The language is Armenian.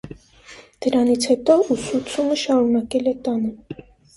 Դրանից հետո ուսուցումը շարունակել է տանը։